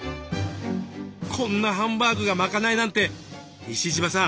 こんなハンバーグがまかないなんて西島さん